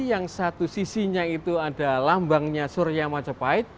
yang satu sisinya itu ada lambangnya surya majapahit